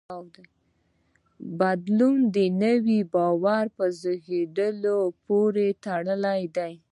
بدلون د نوي باور په زېږېدو پورې تړلی دی.